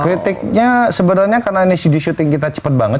kritiknya sebenernya karena ini shooting kita cepet banget